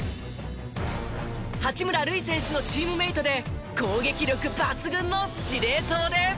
八村塁選手のチームメートで攻撃力抜群の司令塔です。